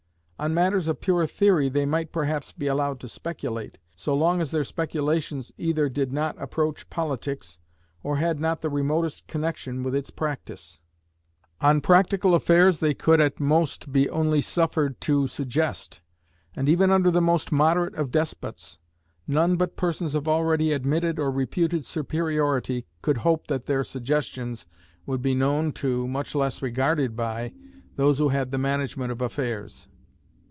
On matters of pure theory they might perhaps be allowed to speculate, so long as their speculations either did not approach politics, or had not the remotest connection with its practice. On practical affairs they could at most be only suffered to suggest; and even under the most moderate of despots, none but persons of already admitted or reputed superiority could hope that their suggestions would be known to, much less regarded by, those who had the management of affairs.